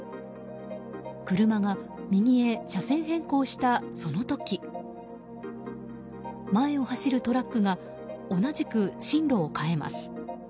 車が右へ車線変更したその時前を走るトラックが同じく進路を変えます。